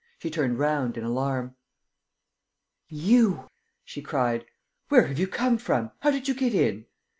She turned round in alarm: "You!" she cried. "Where have you come from? How did you get in?"